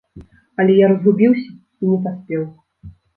Але я разгубіўся і не паспеў.